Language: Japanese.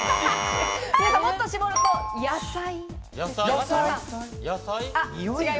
もっと絞ると野菜。